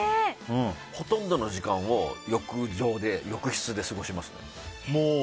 ほとんどの時間を浴室で過ごしますね。